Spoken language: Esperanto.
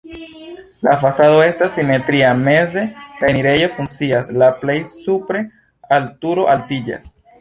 La fasado estas simetria, meze la enirejo funkcias, la plej supre al turo altiĝas.